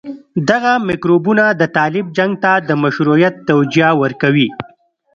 دغه میکروبونه د طالب جنګ ته د مشروعيت توجيه ورکوي.